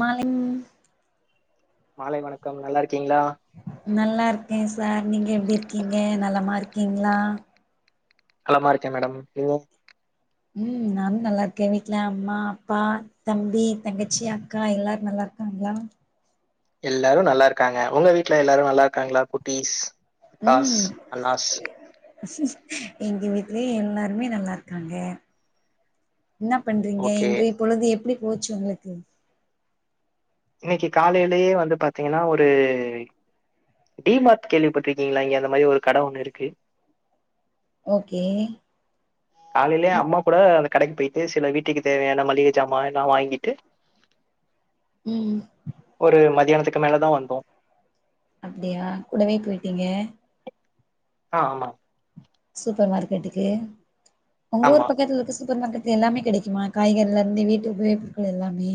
மாலிங் மாலை வணக்கம் நல்லாருக்கீங்களா நல்லா இருக்கே சார் நீங்க எப்டி இருக்கீங்க நலமார்க்கீங்களா நலமா இருக்கே மேடம் நீங்க ம் நானும் நல்லாருக்கே வீட்ல அம்மா அப்பா தம்பி தங்கச்சி அக்கா எல்லாரு நல்லாருக்காங்களா எல்லாரு நல்லாருக்காங்க உங்க வீட்டுல எல்லாரு நல்லாருக்காங்களா குட்டிஸ் அக்காஸ் ம் அண்ணாஸ் எங்க வீட்லயு எல்லாருமே நல்லாருக்காங்க என்னாப் பண்றீங்க ஓகே இன்றைய பொழுது எப்டி போச்சு உங்களுக்கு இன்னைக்கு காலையிலேயே வந்து பாத்தீங்கன்னா ஒரு டி மார்ட் கேள்விப்பட்ருக்கீங்களா இங்க அந்த மாரி ஒரு கடை ஒன்னு இருக்கு ஓகே காலையிலேயே அம்மா கூட அந்த கடைக்கு போயிட்டு சில வீட்டுக்கு தேவையான மளிகை சாமான் எல்லா வாங்கிட்டு [inaudible] ம் ஒரு மதியானத்துக்கு மேல தா வந்தோ அப்டியா கூடவே போயிட்டீங்க ஆ ஆமா சூப்பர் மார்க்கெட்டுக்கு ஒங்க ஊர் ஆமா பக்கத்துல இருக்கு சூப்பர் மார்க்கெட் இது எல்லாமே கெடைக்குமா காய்கறிலருந்து வீட்டு உபயோகப்பொருட்கள் எல்லாமே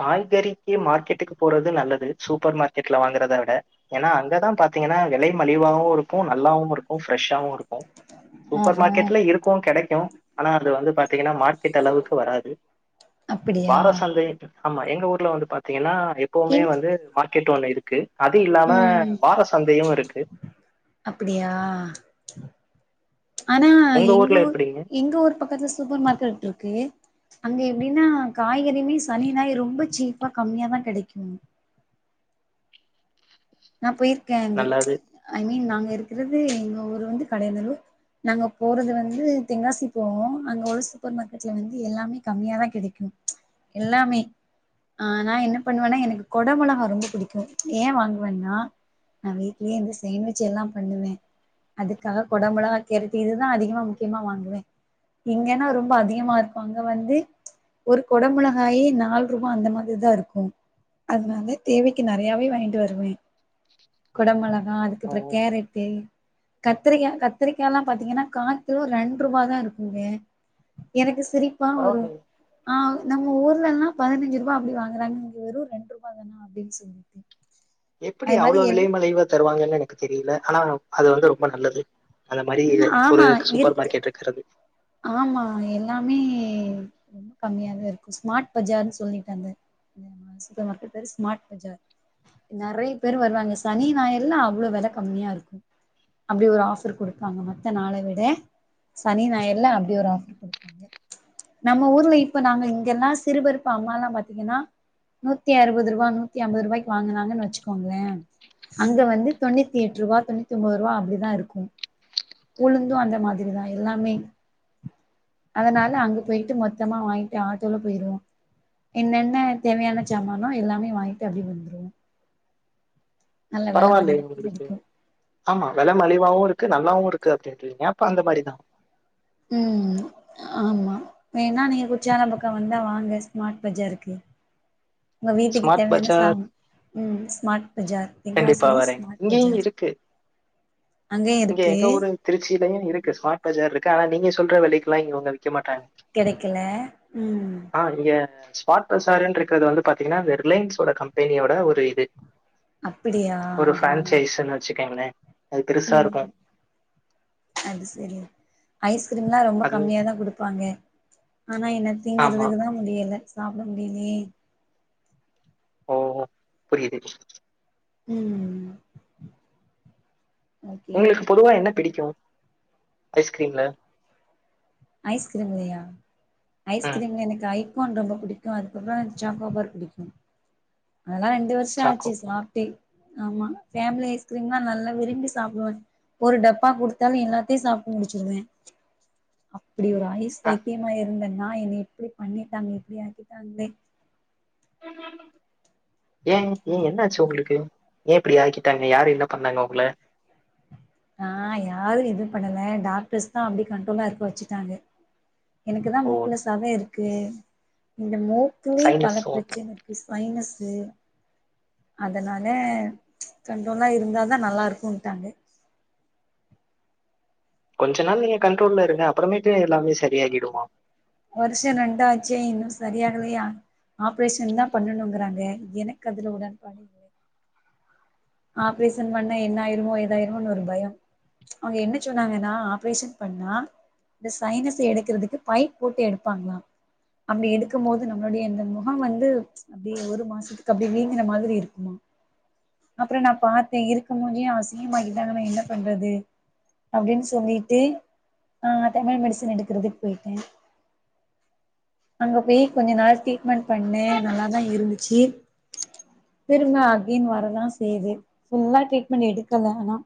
காய்கறிக்கு மார்க்கெட்டுக்கு போறது நல்லது சூப்பர் மார்க்கெட்ல வாங்கறத விட ஏன்னா அங்கதா பாத்தீங்கன்னா விலை மலிவாவு இருக்கு நல்லாவு இருக்கு ஃபரெஷ்ஷாவு இருக்கு சூப்பர் ஆஹா மார்க்கெட்ல இருக்கு கெடைக்கு ஆனா அது வந்து பா பாத்தீங்கன்னா மார்க்கெட் அளவுக்கு வராது அப்டியா வார சந்தை ஆமா எங்க ஊர்ல வந்து பாத்தீங்கன்னா எப்பவுமே இன் வந்து மார்க்கெட் ஒண்ணு இருக்கு அது இல்லாம ம் வார சந்தையு இருக்கு அப்படியா ஆனா உங்க எங்க ஊர்ல ஊர் எப்படிங்க? எங்க ஊர் பக்கத்துல சூப்பர் மார்க்கெட் இருக்கு அங்க எப்படின்னா காய்கறியுமே சனி ஞாயிறு ரொம்ப சீப்பா கம்மியா தா கெடைக்கு நா போயிருக்கே அங்கு நல்லது. ஐ மீன் நாங்க இருக்கிறது எங்க ஊர் வந்து கடையந்தளவு நாங்க போறது வந்து தெங்காசி போவோ அங்க உள்ள சூப்பர் மார்க்கெட்ல வந்து எல்லாமே கம்மியாக தா கெடைக் எல்லாமே ஆ நா என்ன பண்ணுவேன்னா எனக்கு கொட மொளகா ரொம்ப புடிக்கு ஏ வாங் நா நா வீட்லயே இருந்து சேமிச்சு எல்லா பண்ணுவே அதுக்காக கொடமொளகா கேரட்டு இதுதா அதிகமா முக்கியமா வாங்குவே இங்கன்னா ரொம்ப அதிகமா இருப்பாங்க வந்து ஒரு கொட மொளகாயே நாலு ரூபா அந்த மாதிரி தா இருக்கு அதனால தேவைக்கு நெறையாவே வாங்கிட்டு வருவே கொட மொளகா ஓ! அதுக்கப்பற கேரட்டு கத்திரிக்கா கத்திரிக்கால்லா பாத்தீங்கன்னா காக்கிலோ ரெண்டு ரூவா தா இருக்குங்க எனக்கு சிரிப்பா வரு பரவாயில்லையே. ஆ நம்ம ஊர்லன்னா பதினஞ்சு ரூபா அப்டி வாங்குறாங்க இங்க வெறு ரெண்டு ரூபா தான அப்டின் சொல்லிட்டு எப்டி அது மாரி அவ்ளோ எல் விலைமலிவா தருவாங்கன்னு எனக்கு தெரியல ஆனா அது வந்து ரொம்ப நல்லது அந்த மாரி ம் ஒரு ஆமா சூப்பர் இருக்கு மார்க்கெட் இருக்கிறது ஆமா எல்லாமே ரொம் கம்மியாவே இருக்கு ஸ்மார்ட் பஜார்ன்னு சொல்லிட்டு அந்த சூப்பர் மார்க்கெட் பேரு ஸ்மார்ட் பஜார் நறைய பேர் வருவாங்க சனி ஞாயிறுல்லா அவ்ளோ வெல கம்மியா இருக்கு அப்டி ஒரு ஆஃபர் குடுப்பாங்க மத்த நாளே விட சனி நாயர் ல்ல அப்டி ஒரு ஆஃபர் குடுப்பாங்க நம்ம ஊர்ல இப்ப நாங்க இங்கெல்லா சிறுபருப்பு அம்மால்லா பாத்தீங்கன்னா நூத்தி அறுவது ருவா நூத்தி அம்பருவாய்க்கு வாங்குனாங்கனு வச்சுக்கோங்கள அங்க வந்து தொண்ணித்தி எட்ருவா தொண்ணித்தி ஒம்மோது ருவா அப்பிடிதா இருக்கு உளுந்து அந்த மாதிரிதா எல்லாமே அதனால அங்க பேய்ட்டு மொத்தமா வாங்கிட்டு ஆட்டோல போய்ருவோ என்னென்ன தேவையான ஜாம்மானோ எல்லாமே வாங்கிட்டு அப்பிடியே வந்துருவோ நல்ல வெல பரவாலயே மலிவாதா உங்களுக்கு கெடைக்கு ஆமா வில மலிவாவு இருக்கு நல்லாவு இருக்கு அப்டின்றீங்க அப்ப அந்த மாரிதா ம் ஆமா வேண்ணா நீங்க குற்றாலோ பக்கோ வந்தா வாங்க ஸ்மார்ட் பஜாருக்கு உங்க வீட்டுக்கு ஸ்மார்ட் தேவையான பஜார் சாம் ம் ஸ்மார்ட் பஜார் கண்டிப்பா தென்காசில வரேங்க. ஸ்மார்ட் இங்கேயும் பஜார் இருக்கு. அங்கேயு இருக்கு திருச்சிலயு இருக்கு ஸ்மார்ட் பஜார் இருக்கு ஆனா நீங்க சொல்ற வெலைக்கில்லா இவங்க விக்க மாட்டாங்க கெடைக்கல ம் ஆ இங்க ஸ்மார்ட் பசார்னு இருக்றது வந்து பாத்தீங்கன்னா ரிலையன்ஸ் ஓட கம்பெனீயோட ஒரு இது அப்படியா ஒரு ஆஹா ஃப்ரேன்சைஸ்னு வச்சிக்கங்கள ம் அது செரி ஐஸ்க்ரீம்ல்லா ரொம்ப அது கம்மியா தா குடுப்பாங்க ஆனா என்ன ஆமா. திங்கிறதுக்கு தா முடியல சாப்ட முடியலியே ஓ புரியிது ம் ஓகே உங்களுக்கு பொதுவா என்ன பிடிக்கு ஐஸ்க்ரீம்ல ஐஸ்க்ரீம்லயா ம். ஐஸ்க்ரீம்ல எனக்கு ஐ கோன் ரொம்போ புடிக்கு அதுக்கப்றோ சாக்கோபார் புடிக்கு அதெல்லா ரெண்டு வருஷோ சாக்கோ. ஆச்சு சா டே ஆமா ஃபேம்லி ஐஸ்க்ரீம்னா நல்லா விரும்பி சாப்டுவே ஒரு டப்பா குடுத்தாலு எல்லாத்தையு சாப்ட்டு முடுச்சிருவ அப்பிடி ஒரு ஐஸ் அ பைத்யமா இருந்த நா என்ன இப்பிடி பண்ணிட்டாங்க இப்டி ஆக்கிட்டாங்களே ஏ ஏ என்ன ஆச்சு உங்களுக்கு ஏ இப்டி ஆக்கிட்டாங்க யாரு என்ன பண்ணாங்க உங்கள ஆ யாரு எது பண்ணல டாக்டர்ஸ் தா அப்டி கண்ட்ரோல்லா இருக்க வச்சிட்டாங்க எனக்குதா ஓ! மூக்குல சத இருக்கு இந்த மூக்குலையு பல சைனஸ். ஓ! ப்ரச்சன கு ஸ்பைனஸ்சு அதனால கண்ட்ரோலா இருந்தா தா நல்லா இருக்குன்ட்டாங்க கொஞ்ச நாள் நீங்க கண்ட்ரோல்ல இருங்க அப்றமேட்டு எல்லாமே சரியாகிடுமா வருஷோ ரெண்டாச்சே இன்னு சரி ஆகலயா ஆப்ரேஷன் தா பண்ணணுங்றாங்க எனக்கு அதுல உடன்பாடு ஆப்ரேஷன் பண்ண என்ன ஆயிருமோ ஏதாயிருமோனு ஒரு பயோ அவங்க என்ன சொன்னாங்கன்னா ஆப்ரேஷன் பண்ணா இந்த சைனஸ் எடுக்குறதுக்கு பைப் போட்டு எடுப்பாங்களா அப்டி எடுக்கும் போது நம்மளுடைய இந்த முஹம் வந்து அப்டியே ஒரு மாசத்துக்கு அப்டி வீங்குன மாதிரி இருக்குமா அப்றொ நா பாத்த இருக்க மூஞ்சியு அசிங்கமாக்கிட்டாங்கன்னா நா என்ன பண்றது அப்டின் சொல்லிட்டு ஆ [unintelligible] மெடிசன் எடுக்குறதுக்கு போய்ட்ட அங்க போய் கொஞ்ச நாள் ட்ரீட்மெண்ட் பண்ண நல்லாதா இருந்துச்சி திரும்ப அகேன் வரதான் செய்து ஃபுல்லா ட்ரீட்மெண்ட் எடுக்கல ஆனா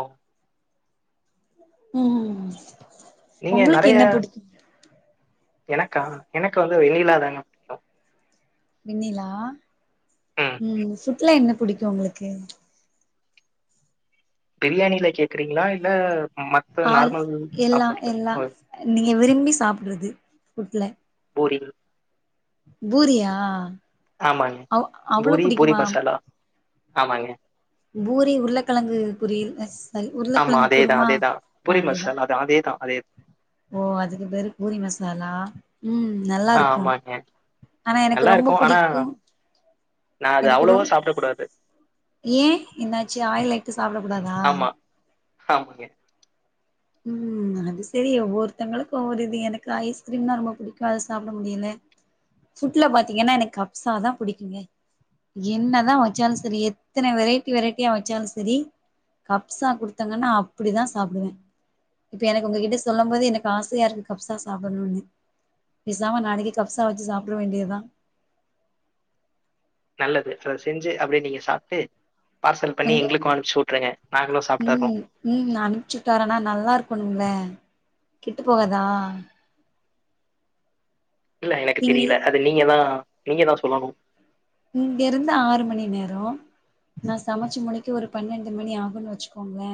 ஒ ம் நீங்க உங்களுக்கு நறைய என்ன பிடிக்கு எனக்கா எனக்கு வந்து வெண்ணிலாதாங்க வெண்ணிலா ம் ஃபுட்ல என்ன புடிக்கு உங்களுக்கு பிரியாணில கேக்குறீங்களா இல்ல மத்த ஆள் நார்மல் எல்லா சாப்பாட்ல? எல்லா ஓ நீங்க விரும்பி சாப்புட்றது ஃபுட்ல போரிங் பூரியா ஆமாங்க அவ் அவ்ளோ பூரி பூரி புடிக்குமா மசாலா ஆமாங்க பூரி உருளக்கழங்கு குளியல் அ சாரி ஆமா உருளக்கழங்கு அதேதான், குருமா அதேதான். பூரி அதேதா மசாலா [inaudible] அதே ஓ அதுக்கு பேரு பூரி மசாலா ம் ஆ நல்லாருக்கு ஆமாங்க. ஆனா எனக்கு ரொம்ப புடிக்கு நா அது அவ்ளோவா சாப்ட கூடாது ஏன் என்னாச்சு ஆயில் ஐட்டோ சாப்பட கூடாதா ஹாமாங்க ம் அது செரி ஒவ்வொருத்தங்களுக்கு ஒவ்வொரு இது எனக்கு ஐஸ்க்ரீம்னா ரொம்ப பிடிக்கு அது சாப்ட முடில ஃபுட்ல பாத்தீங்கன்னா எனக் கப்சா தா புடிக்குங்க என்னதா வச்சாலு சரி எத்தன வெரைட்டி வெரைட்டியா வச்சாலு சரி கப்சா குடுத்தாங்கன்னா அப்புடிதா சாப்டுவ இப்ப எனக்கு உங்ககிட்ட சொல்லும் போது எனக்கு ஆசையா இருக்கு கப்சா சாப்பட்ணும்னு பேசாம நாளைக்கி கப்சா வச்சு சாப்ட்டுற வேண்டியதா நல்லது அத செஞ்சு அப்டியே நீங்க சாப்ட்டு பார்சல் பண்ணி உங்க எங்களுக்கு அனுப்ச்சு உட்ருங்க நாங்களு சாப்ட்டறோ ம் ம் நா அனுப்ச்சுட்டாரனா நல்லா இருக்கணுங்கள கெட்டு போகாதா இல்ல எனக்கு இங்க தெரில அது நீங்க தா நீங்க தா சொல்லணு இங்க இருந்து ஆறு மணி நேரோ நா சமச்சு முடிக்க ஒரு பன்னெண்டு மணி ஆகுன்னு வெச்சுக்கோங்களே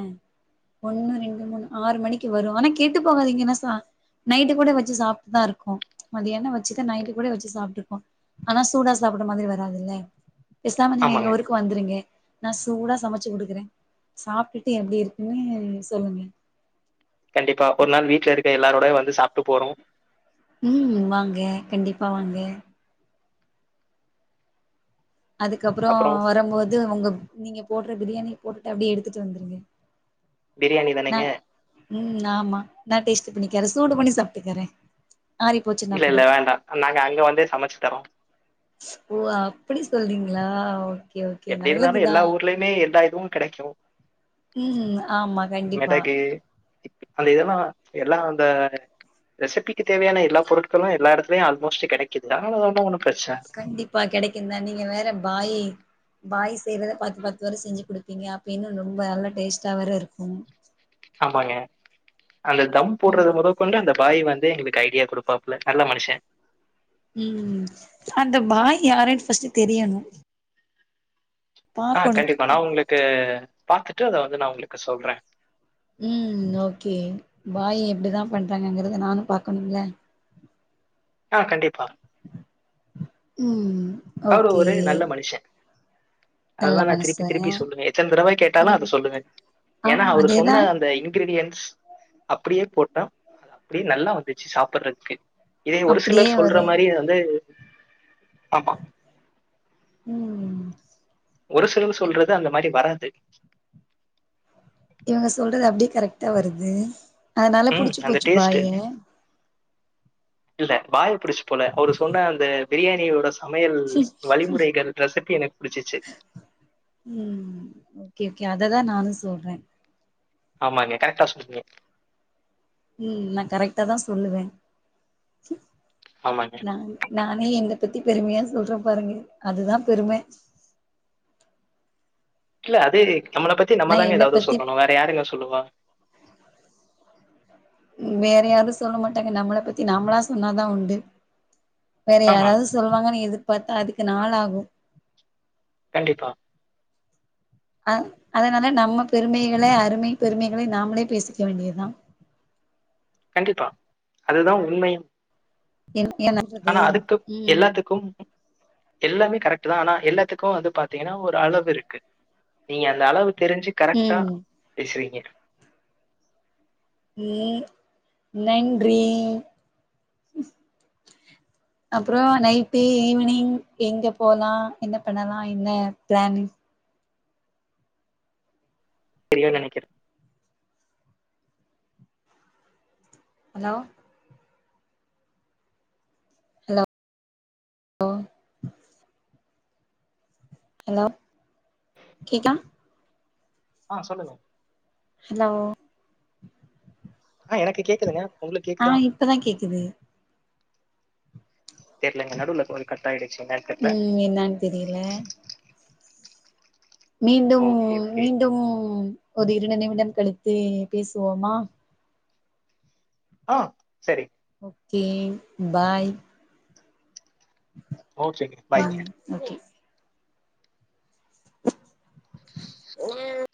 ஒண்ணு ரெண்டு மூணு ஆறு மணிக்கு வரு ஆனா கெட்டு போகாதீங்க என்ன சா நைட்டு கூட வச்சு சாப்ட்டுதா இருக்கோ மதியானோ வச்சுட்டு நைட்டு கூட வச்சு சாப்ட்ருக்கோ ஆனா சூடா சாப்பிட மாதிரி வராதுல்ல பேசாம நீங்க எங்க ஆமாங்க. ஊருக் வந்துருங்க நா சூடா சமச்சு குடுக்குற சாப்ட்டுட்டு எப்டி இருக்குன்னு சொல்லுங்க கண்டிப்பா ஒரு நாள் வீட்ல இருக்க எல்லாரோடையு வந்து சாப்ட்டு போறோ ம் வாங்க கண்டிப்பா வாங்க அதுக்கப்றோ அப்புறம் வரம்போது ஒங்க நீங்க போடுற பிரியாணிய போட்டுட்டு அப்டியே எடுத்துட்டு வந்துருங்க பிரியாணி நா தானேங்க ம் ஆமா நா டேஸ்ட் பண்ணிக்கறே சூடு பண்ணி சாப்ட்டுக்கறே இல்லல்ல வேண்டா நாங்க அங்க வநதே சமச்சு தர்றோ ஓ அப்படி சொல்றீங்களா ஓகே ஓகே நல்லதுதா மே எல்லா இதுவு கெடைக்கு ம் ஆமா கண்டிப்பா மெளகு அந்த இதெல்லா எல்லா அந்த ரெசிபிக்கு தேவையான எல்லா பொருட்களு எல்லா எடத்துலையு ஆல்மோஸ்ட் கெடைக்குது அதனால ஒன் ஒன்னு பிரச் கண்டிப்பா கெடைக்குந்தா நீங்க வேற பாய் பாய் செய்யறத பாத்து பாத்து வேற செஞ்சு குடுப்பீங்க அப்ப இன்னு ரொம்ப நல்லா டேஸ்ட்டா வேற இருக்கு ஆமாங்க அந்த தம் போடுறது ம் மொதொ கொண்டு அந்த பாய் வந்து எங்களுக்கு ஐடியா குடுப்பாப்ல நல்ல மனுஷ ம் அந்த பாய் யாருன்னு ஃபஸ்ட் தெரியணு ஆ பாக்கணு கண்டிப்பா நா உங்களுக்கு பாத்துட்டு அத வந்து நா உங்களுக்கு சொல்றே ம் ஓகே பாய் எப்டிதா பண்றாங்கங்கறத நானு பாக்கணும்ல ஆ கண்டிப்பா ம் அவரு ஓகே ஒரு நல்ல மனுஷ நல்ல அதுதா நா திருப்பி மனசு திருப்பி சொல்லுவே எத்தன தடவ கேட்டாலு ம் அத சொல்லுவே ஏனா ஆமா அவர் அதேதா சொன்ன அந்த இன் கிரீடியன்ஸ் அப்டியே போட்டா அப்டியே நல்லா வந்துச்சு சாப்புடுறக்கு இதே ஒரு அப்டியே சிலர் வரு சொல்ற மாரி வந்து ஆமா ம் ஒரு சிலவு அது சொல்றது அந்த மாரி வராது இவங்க சொல்றது அப்டியே கரெக்ட்டா வருது அதனால ம் புடிச்சு அந்த போச்சு டேஸ்ட் பாய்ய இல்ல பாய பிடிச்சு போல அவரு சொன்ன அந்த பிரியாணியோட சமையல் வழிமுறைகள் ரெசிப்பி எனக்கு பிடிச்சிச்சு ம் ஓகே ஓகே அததா நானு சொல்றே ஆமாங்க கரெக்டா சொன்னீங்க ம் நா கரெக்டாதா சொல்லுவே ஆமாங்க நான் நானே என்ன பத்தி பெருமையா சொல்றே பாருங்க அதுதா பெரும கில்ல அது நம்மள பத்தி நம்ம நா தாங்கே என்ன எதாவது பத்தி சொல்லணு வேற யாருங்க சொல்லுவா வேற யாரு சொல்ல மாட்டாங்க நம்மள பத்தி நாமளா சொன்னாதா உண்டு வேற ஆமா யாராவ்து சொல்வாங்கன்னு எதிர்பார்த்தா அதுக்கு நாள் ஆகு கண்டிப்பா அ அதனால நம்ம பெருமைகள அருமை பெருமைகளை நாமளே பேசிக்க வேண்டியதா கண்டிப்பா அதுதா உண்மையும் என் என்னது ஆனா அதுக்கு ம் எல்லாத்துக்கும் எல்லாமே கரெக்ட்தா ஆனா எல்லாத்துக்கு வந்து பாத்தீங்கன்னா ஒரு அளவு இருக்கு நீங்க அந்த அளவு தெரிஞ்சு கரெக்டா ம் பேசுறீங்க ம் நன்றி [inaudible] அப்றோ நைட்டு ஈவினிங் எங்க போலா என்ன பண்ணலா என்ன பிளான்னு தெரியு நெனைக்கிற ஹலோ ஹலோ ஓ ஹலோ கேக்கா ஆ‌ சொல்லுங்க ஹலோ ஆ எனக்கு கேக்குதுங்க உங்களுக்கு ஆ கேக்குதா இப்பதா கேக்குது தெர்லங்க நடுவுல கட்டாயிடுச்சு நெருக்கத்துல என்னன் தெரில மீண்டும் ஓகே ஓகே மீண்டும் ஒரு இருவது நிமிடம் கழித்து பேசுவோமா ஆ செரி ஓகே பாய் ஓகேங்க பாய்ங்க ம் ஓகே [inaudible]